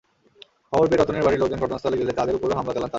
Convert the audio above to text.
খবর পেয়ে রতনের বাড়ির লোকজন ঘটনাস্থলে গেলে তাঁদের ওপরও হামলা চালান তাঁরা।